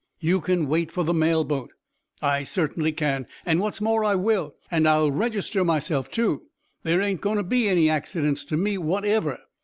"You can wait for the mail boat." "I certainly can, and, what's more, I will. And I'll register myself, too. There ain't goin' to be any accidents to me whatever."